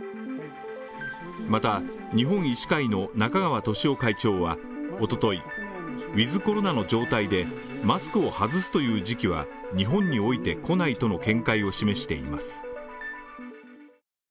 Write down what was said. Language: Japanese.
また、日本医師会の中川俊男会長はおととい、ウィズコロナの状態でマスクを外すという時期は、日本において来ないとの見解を示しています。